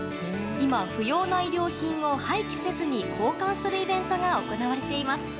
今、不要な衣料品を廃棄せずに交換するイベントが行われています。